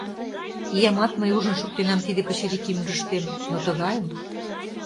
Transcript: Иямат мый ужын шуктенам тиде пычырик ӱмырыштем, но тыгайым?!.